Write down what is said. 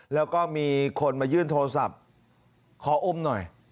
แล้วก็มีคนมายื่นโทรศัพท์ขออมหน่อย